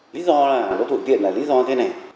lý do là nó thuận tiện là lý do thế này